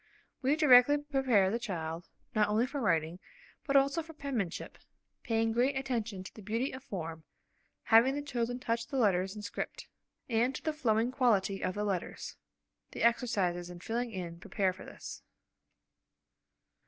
We directly prepare the child, not only for writing, but also for penmanship, paying great attention to the beauty of form (having the children touch the letters in script form) and to the flowing quality of the letters. (The exercises in filling in prepare for this.)